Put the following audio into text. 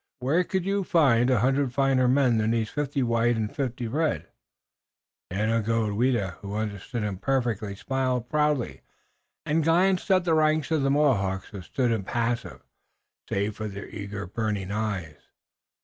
Where could you find a hundred finer men than these, fifty white and fifty red?" Daganoweda, who understood him perfectly, smiled proudly and glanced at the ranks of Mohawks who stood impassive, save for their eager, burning eyes.